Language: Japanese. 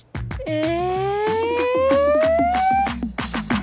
え